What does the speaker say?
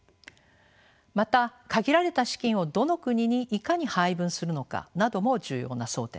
また限られた資金をどの国にいかに配分するのかなども重要な争点です。